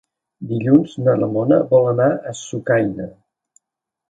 Dilluns na Ramona vol anar a Sucaina.